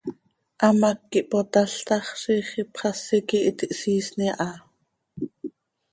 Hamác quih potál ta x, ziix ipxasi quih iti hsiisni aha.